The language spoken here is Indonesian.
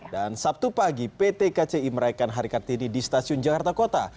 dan sabtu pagi pt kci meraihkan hari kartini di stasiun jakarta kota